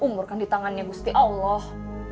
umur kan di tangannya busti allah